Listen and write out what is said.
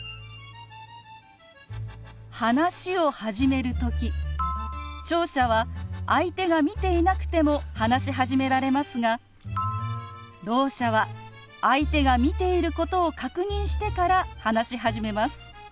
話を始める時聴者は相手が見ていなくても話し始められますがろう者は相手が見ていることを確認してから話し始めます。